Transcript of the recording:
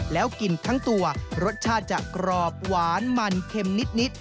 แล้วกินทั้งตัวรสชาติจะกรอบหวานมันเข็มนิด